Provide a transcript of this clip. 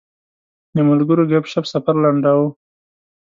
د ملګرو ګپ شپ سفر لنډاوه.